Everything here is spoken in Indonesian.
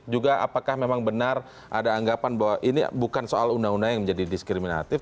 juga apakah memang benar ada anggapan bahwa ini bukan soal undang undang yang menjadi diskriminatif